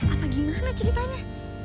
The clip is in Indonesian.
atau gimana ceritanya